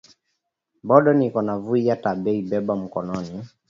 Bidon iko na vuya ta beba kumukono